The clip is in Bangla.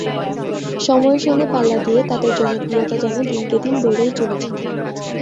সময়ের সঙ্গে পাল্লা দিয়ে তাঁদের জনপ্রিয়তা যেন দিনকে দিন বেড়েই চলেছে।